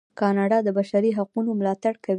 کاناډا د بشري حقونو ملاتړ کوي.